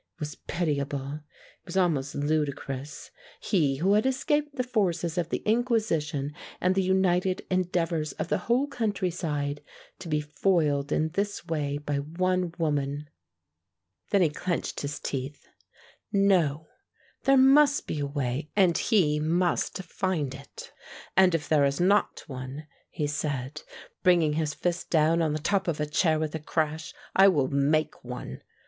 It was pitiable, it was almost ludicrous; he who had escaped the forces of the inquisition and the united endeavours of the whole countryside, to be foiled in this way by one woman. Then he clenched his teeth. No. There must be a way and he must find it: "And if there is not one," he said, bringing his fist down on the top of a chair with a crash, "I will make one."